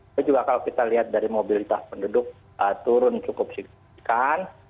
itu juga kalau kita lihat dari mobilitas penduduk turun cukup signifikan